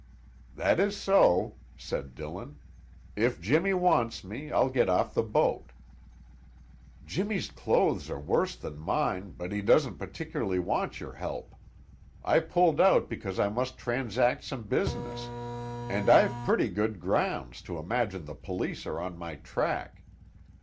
"That is so," said Dillon. "If Jimmy wants me, I'll get off the boat." "Jimmy's clothes are worse than mine, but he doesn't particularly want your help. I pulled out because I must transact some business, and I've pretty good grounds to imagine the police are on my track."